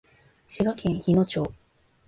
滋賀県日野町